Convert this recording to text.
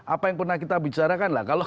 apa yang pernah kita bicarakan lah